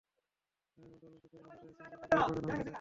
এরই মধ্যে অলিম্পিক থেকে নিষিদ্ধ হয়েছেন, দেশেও ফেরত পাঠানো হয়েছে তাঁকে।